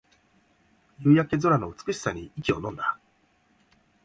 夕焼け空の美しさに息をのんだ